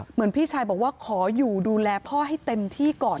เหมือนพี่ชายบอกว่าขออยู่ดูแลพ่อให้เต็มที่ก่อน